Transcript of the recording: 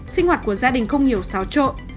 sinh hoạt của gia đình không nhiều xáo trộn